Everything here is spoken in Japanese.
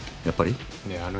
やっぱり？ねえ。